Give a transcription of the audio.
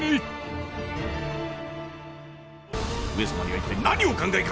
上様には一体何をお考えか。